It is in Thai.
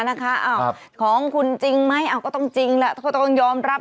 นะคะอ้าวครับของคุณจริงไหมอ้าวก็ต้องจริงแหละเขาต้องยอมรับ